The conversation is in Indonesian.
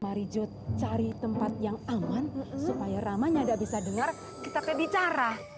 mari jodhari tempat yang aman supaya ramanya ada bisa dengar kita pedicara